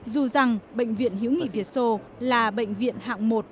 dù rằng bệnh viện hiễu nghị việt sô là bệnh viện hạng một